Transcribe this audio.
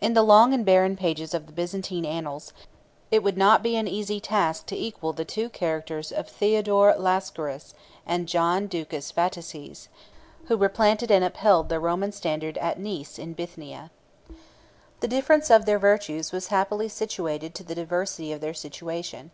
In the long and barren pages of the Byzantine annals, 1 it would not be an easy task to equal the two characters of Theodore Lascaris and John Ducas Vataces, 2 who replanted and upheld the Roman standard at Nice in Bithynia. The difference of their virtues was happily suited to the diversity of their situation.